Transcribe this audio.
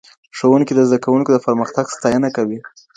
ښوونکی د زدهکوونکو د پرمختګ ستاینه کوي.